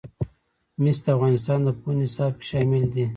مس د افغانستان د پوهنې نصاب کې شامل دي.